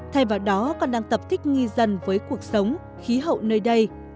thay vào đó còn đang tập thích nghi dần với cuộc sống khí hậu nơi đây